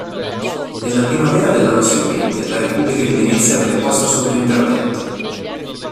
Nella primavera dell'anno seguente la Repubblica di Venezia venne posta sotto interdetto.